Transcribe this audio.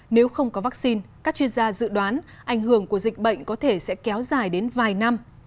nếu không có vaccine các chuyên gia dự đoán ảnh hưởng của dịch bệnh có thể sẽ kéo dài đến vài năm